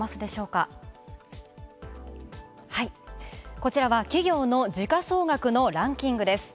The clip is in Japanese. こちらは、企業の時価総額のランキングです。